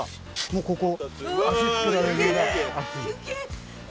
もうここ。